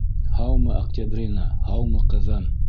Һаумы, Октябрина, һаумы, ҡыҙым!